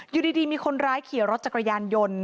อยู่ดีมีคนร้ายขี่รถจักรยานยนต์